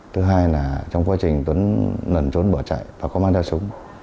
thứ hai là trong quá trình tuấn nẩn trốn bỏ chạy và có mang ra súng